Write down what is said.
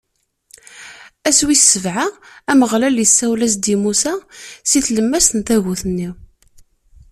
Ass wis sebɛa, Ameɣlal isawel-as-d i Musa si tlemmast n tagut-nni.